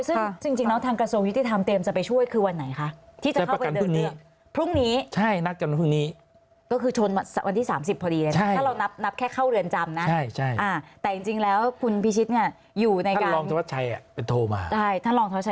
ซึ่งจริงแล้วทางส่วนส่วนของกระทรวงยุติธรรมเตรียมจะไปช่วยคือวันไหนคะ